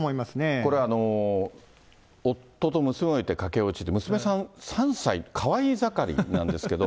これは夫と娘を置いて駆け落ち、娘さん３歳、かわいい盛りなんですけど。